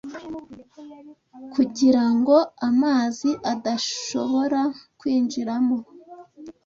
kugira ngo amazi adashobora kwinjiramo